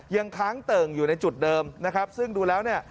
ยังค้างเติ่งอยู่ในจุดเดิมซึ่งดูแล้ว